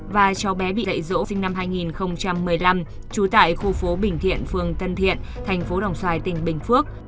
và cháu bé bị dạy dỗ sinh năm hai nghìn một mươi năm trú tại khu phố bình thiện phường tân thiện thành phố đồng xoài tỉnh bình phước